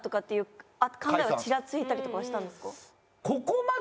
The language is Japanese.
チラついたりとかはしたんですか？